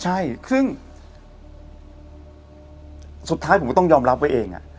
ใช่ซึ่งสุดท้ายผมก็ต้องยอมรับไว้เอง